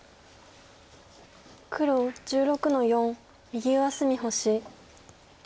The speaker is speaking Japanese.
黒１６の四右上隅星。